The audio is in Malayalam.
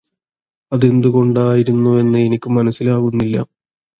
അതെന്തുകൊണ്ടായിരുന്നുവെന്ന് എനിക്ക് മനസ്സിലാകുന്നില്ല